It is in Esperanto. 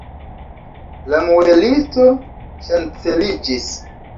La muelisto ŝanceliĝis.